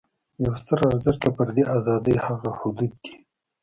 یو ستر ارزښت د فردي آزادۍ هغه حدود دي.